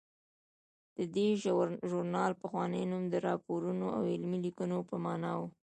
د دې ژورنال پخوانی نوم د راپورونو او علمي لیکنو په مانا و.